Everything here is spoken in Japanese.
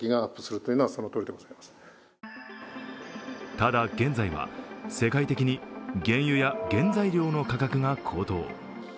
ただ、現在は世界的に原油や原材料の価格が高騰。